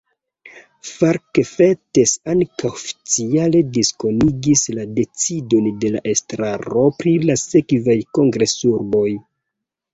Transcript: Mark Fettes ankaŭ oficiale diskonigis la decidon de la estraro pri la sekvaj kongresurboj.